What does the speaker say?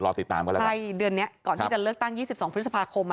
ติดตามกันแล้วกันใช่เดือนนี้ก่อนที่จะเลือกตั้ง๒๒พฤษภาคมอ่ะ